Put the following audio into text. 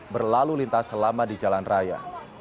berlalu lintas selama di jalan raya